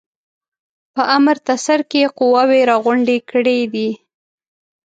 په امرتسر کې قواوي را غونډي کړي دي.